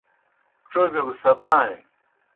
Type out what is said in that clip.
ڇوبِیو گہ ستائیں۔